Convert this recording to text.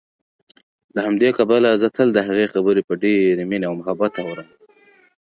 له همدې کبله زه تل دهغې خبرې په ډېرې مينې او محبت اورم